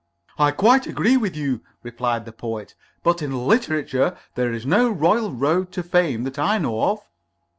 "I quite agree with you," replied the Poet. "But in literature there is no royal road to fame that I know of."